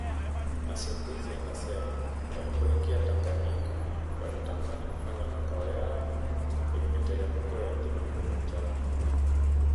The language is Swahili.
Masimulizi yanasema walipoingia Tanganyika walitamani kufanya makao yao kwenye miteremko ya Mlima Kilimanjaro